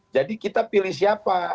jadi kita pilih siapa